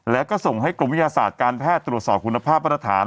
แล้วก็ส่งให้กรมวิทยาศาสตร์การแพทย์ตรวจสอบคุณภาพมาตรฐาน